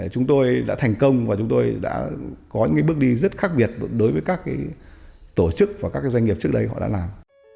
chúng tôi đã thành công và chúng tôi đã có những bước đi rất khác biệt đối với các tổ chức và các doanh nghiệp trước đây họ đã làm